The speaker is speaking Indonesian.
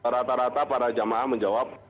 rata rata para jamaah menjawab